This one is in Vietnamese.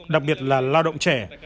đặc biệt là lao động trẻ